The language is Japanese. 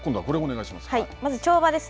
まず跳馬です。